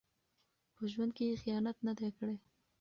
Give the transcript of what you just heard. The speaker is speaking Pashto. په ژوند کې یې خیانت نه دی کړی.